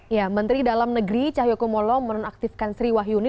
ya menteri dalam negeri cahyokumolo menonaktifkan sri wahyuni